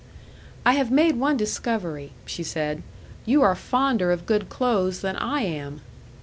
"I have made one discovery," she said. "You are fonder of good clothes than I am."